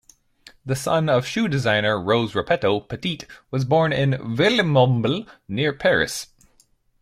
The son of shoe designer Rose Repetto, Petit was born in Villemomble, near Paris.